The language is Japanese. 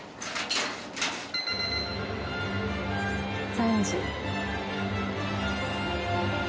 ３時。